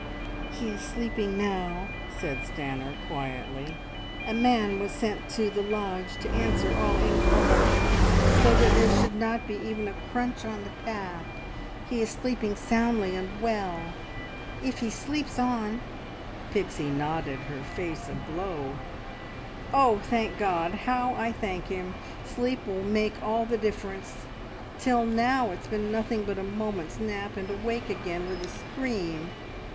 "He is sleeping now," said Stanor quietly. "A man was sent to the lodge to answer all inquiries, so that there should not be even a crunch on the path. He is sleeping soundly and well. If he sleeps on " Pixie nodded, her face aglow. "Oh, thank God! How I thank Him! Sleep will make all the difference. ... Till now it's been nothing but a moment's nap and awake again, with a scream.